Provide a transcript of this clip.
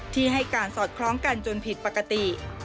ที่ให้การสอดคล้องกันจนผิดปกติ